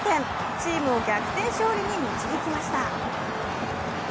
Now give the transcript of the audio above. チームを逆転勝利に導きました。